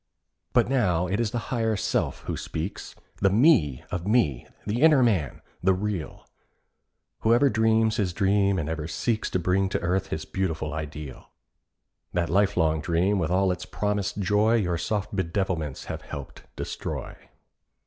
But now it is the Higher Self who speaks— The Me of me—the inner Man—the real— Whoever dreams his dream and ever seeks To bring to earth his beautiful ideal. That lifelong dream with all its promised joy Your soft bedevilments have helped destroy.